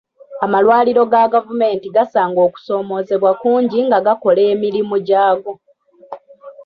Amalwaliro ga gavumenti gasanga okusoomoozebwa kungi nga gakola emirimu gyaago.